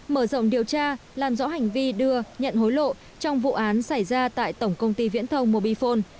mở rộng điều tra làm rõ hành vi đưa nhận hối lộ trong vụ án xảy ra tại tổng công ty viễn thông mobifone